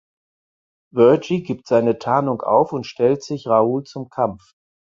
Vergy gibt seine Tarnung auf und stellt sich Raoul zum Kampf.